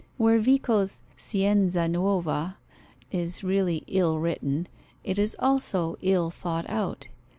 Where Vico's Scienza nuova is really ill written, it is also ill thought out.